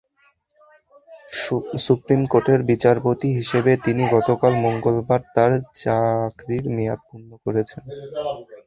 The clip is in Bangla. সুপ্রিম কোর্টের বিচারপতি হিসেবে তিনি গতকাল মঙ্গলবার তাঁর চাকরির মেয়াদ পূর্ণ করেছেন।